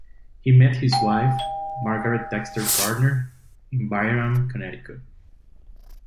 He met his wife, Margaret Dexter Gardner, in Byram, Connecticut.